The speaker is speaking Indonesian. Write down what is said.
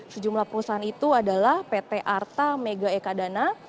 sejumlah perusahaan itu adalah pt arta mega eka dana